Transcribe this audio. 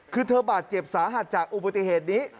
คือเธอบาดเจ็บสาหัสจากอุบัติเหตุนี้